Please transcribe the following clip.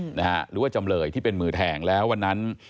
หรือว่าจำเลยที่เป็นมือแทงแล้ววันนั้น